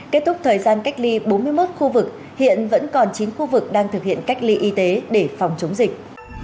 kết thúc thời gian cách ly bốn mươi một khu vực hiện vẫn còn chín khu vực đang thực hiện cách ly y tế để phòng chống dịch